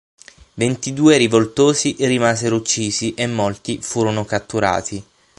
Ventidue rivoltosi rimasero uccisi e molti furono catturati.